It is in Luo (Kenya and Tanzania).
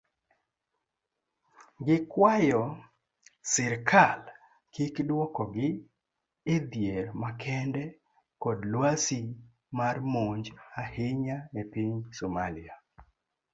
Gikwayo sirkal kik duokogi edhier makende kod lwasi mar monj ahinya epiny somalia.